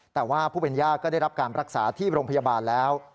แต่ว่าผู้เป็นย่าก็ได้รับการรักษาที่โรงพยาบาลแล้ว